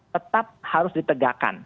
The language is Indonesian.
tetap harus ditegakkan